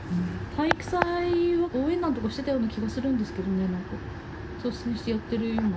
体育祭は応援団とかしてたような気がするんですけどね、率先してやってるような。